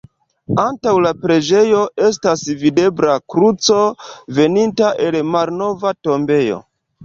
Antaŭ la preĝejo estas videbla kruco veninta el la malnova tombejo.